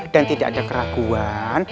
dan tidak ada keraguan